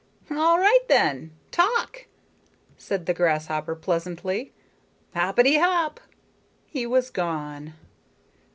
"All right, then, talk," said the grasshopper pleasantly. "Hoppety hop." He was gone.